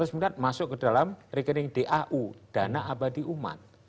lima ratus miliar masuk ke dalam rekening dau dana abadi umat